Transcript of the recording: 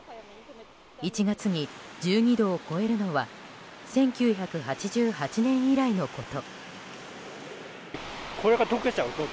１月に１２度を超えるのは１９８８年以来のこと。